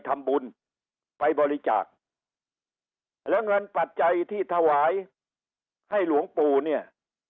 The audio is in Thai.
ทำบุญไปบริจาคแล้วเงินปัจจัยที่ถวายให้หลวงปู่เนี่ย